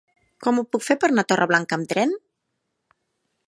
Com ho puc fer per anar a Torreblanca amb tren?